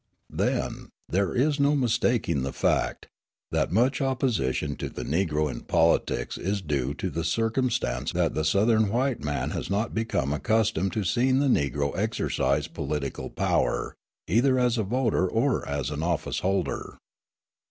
Then, there is no mistaking the fact, that much opposition to the Negro in politics is due to the circumstance that the Southern white man has not become accustomed to seeing the Negro exercise political power either as a voter or as an office holder.